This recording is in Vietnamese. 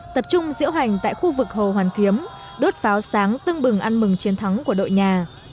tập trung diễu hành tại khu vực hồ hoàn kiếm đốt pháo sáng tưng bừng ăn mừng chiến thắng của đội nhà